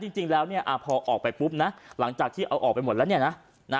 จริงแล้วเนี่ยพอออกไปปุ๊บนะหลังจากที่เอาออกไปหมดแล้วเนี่ยนะ